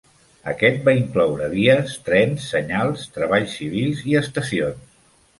Aquest va incloure vies, trens, senyals, treballs civils i estacions.